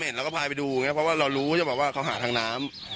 ไม่เห็นเราก็พายไปดูเพราะว่าเรารู้เขาหาทางน้ำ